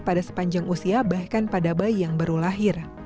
pada sepanjang usia bahkan pada bayi yang baru lahir